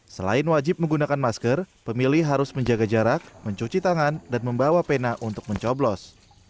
selain wajib menggunakan masker pemilih harus menjaga jarak mencuci tangan dan membawa pena untuk mencoblos